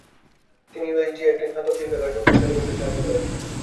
তিনি ইউএসডিএ তে একটি স্নাতক শিক্ষা কার্যক্রম চালু করতে সাহায্য করেন।